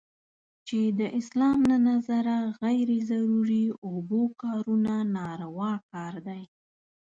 چې د اسلام له نظره غیر ضروري اوبو کارونه ناروا کار دی.